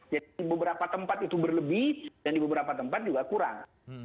beberapa tempat itu berlebih dan di beberapa tempat juga kurang